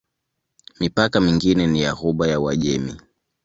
Mipaka mingine ni ya Ghuba ya Uajemi.